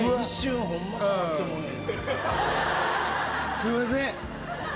すいません。